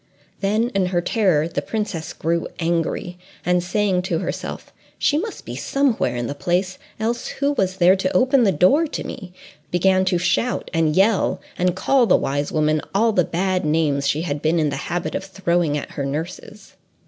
Then in her terror the princess grew angry, and saying to herself, "She must be somewhere in the place, else who was there to open the door to me?" began to shout and yell, and call the wise woman all the bad names she had been in the habit of throwing at her nurses.